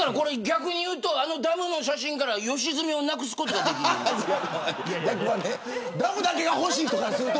逆にダムの写真から良純をなくすこともできる。